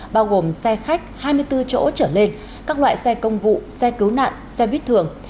bao gồm xe khách hai mươi bốn chỗ trở lên các loại xe công vụ xe cứu nạn